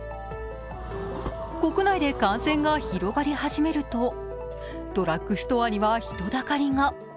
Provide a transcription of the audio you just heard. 国内で感染が広がり始めるとドラッグストアには人だかりが。